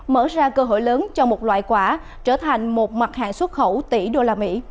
mở ra cơ hội lớn cho một loại quả trở thành một mặt hạng xuất khẩu tỷ đô la mỹ